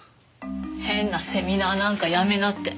変なセミナーなんか辞めなって。